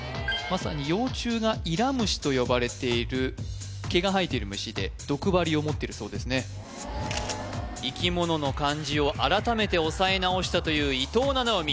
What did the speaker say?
まさに幼虫がイラムシと呼ばれている毛が生えている虫で毒針を持ってるそうですね生き物の漢字を改めて押さえ直したという伊藤七海